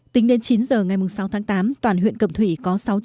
tính đến chín giờ ngày sáu tháng tám toàn huyện cập thủy có sáu trăm linh